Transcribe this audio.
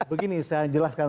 begini saya jelaskan